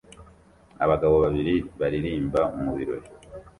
Abagabo babiri baririmba mu birori